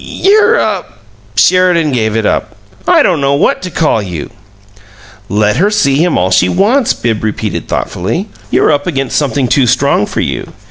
"You're a " Sheridan gave it up. "I don't know what to call you!" "Let her see him all she wants," Bibbs repeated, thoughtfully. "You're up against something too strong for you.